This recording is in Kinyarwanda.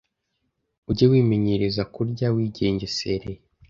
Ujye wimenyereza kurya wigengesereye,